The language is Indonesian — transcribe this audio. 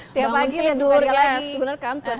tiap pagi tidur ya kan